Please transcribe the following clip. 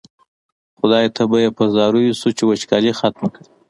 خدای ته به یې په زاریو شو چې وچکالي ختمه کړي.